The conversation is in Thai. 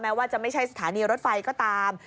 ว่าจะไม่ใช่สถานีรถไฟก็ตาม